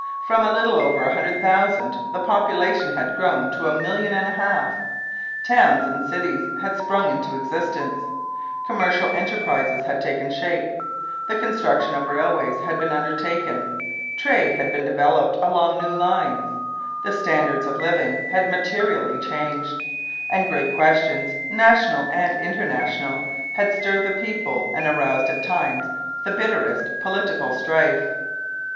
From a little over a hundred thousand the population had grown to a million and a half; towns and cities had sprung into existence; commercial enterprises had taken shape; the construction of railways had been undertaken; trade had developed along new lines; the standards of living had materially changed; and great questions, national and international, had stirred the people and aroused at times the bitterest political strife.